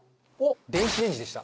電子レンジでした。